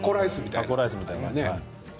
タコライスみたい。